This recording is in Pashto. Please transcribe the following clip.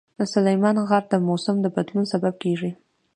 سلیمان غر د موسم د بدلون سبب کېږي.